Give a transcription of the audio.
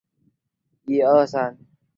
这是他在军旅生涯中首次被授予指挥权。